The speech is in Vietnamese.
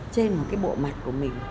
trên một cái bộ mặt của mình